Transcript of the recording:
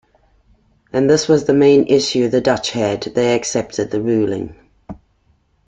As this was the main issue the Dutch had, they accepted the ruling.